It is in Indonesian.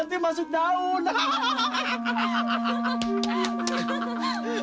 nanti masuk daun